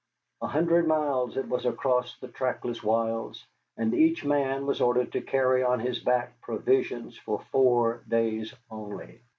A hundred miles it was across the trackless wilds, and each man was ordered to carry on his back provisions for four days only.